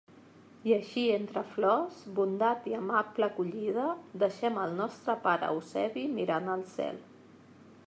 I així, entre flors, bondat i amable acollida, deixem el nostre pare Eusebi mirant al cel.